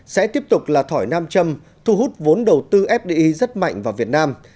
sẽ tiếp tục là thỏi nam châm thu hút vốn đầu tư fdi rất mạnh vào việt nam